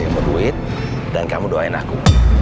kamu duit dan kamu doain aku